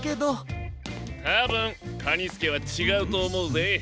たぶんカニスケはちがうとおもうぜ。